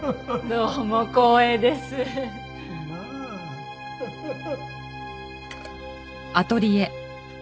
どうも光栄です。なあ？ハハハ。